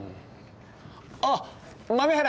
あっ豆原。